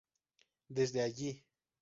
Desde allí.